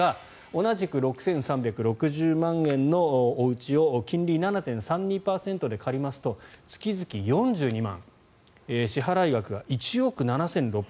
同じく６３６０万円のおうちを金利７．３２％で借りますと月々４２万支払額が１億７６６８万円。